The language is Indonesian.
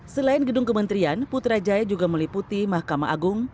selain gedung kementerian putrajaya juga meliputi mahkamah agung